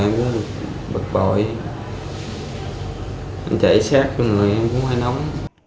em cũng bật bội em chạy sát cho người em cũng hơi nóng